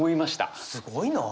すごいなあ。